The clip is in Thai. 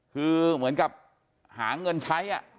คือเหมือนกับหาเงินใช้